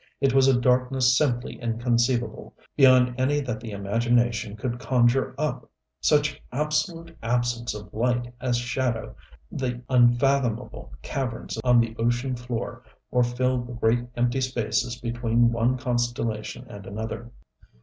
It was a darkness simply inconceivable, beyond any that the imagination could conjure up such absolute absence of light as shadow the unfathomable caverns on the ocean floor or fill the great, empty spaces between one constellation and another.